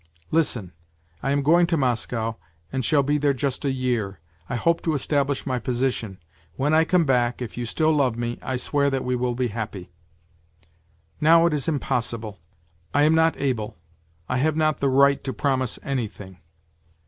Listen, I am going to Moscow and shall be there juslr a year; I hope to establish my position. When I come back, if you still love me, I swear that we will be happy. Now it is impossible, I am not able, I have not the right to promise anything.